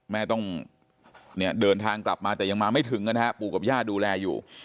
แม่ต้องเนี่ยเดินทางกลับมาแต่ยังมาไม่ถึงนะฮะปู่กับย่าดูแลอยู่